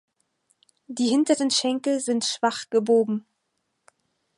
Die hinteren Schenkel sind schwach gebogen.